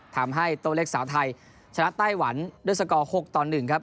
ทำให้โต้เล็กสาวไทยชนะไต้หวันด้วยสกอร์๖ต่อ๑ครับ